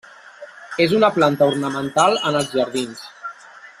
És una planta ornamental en els jardins.